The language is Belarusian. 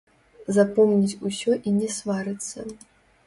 Запомніць усё і не сварыцца!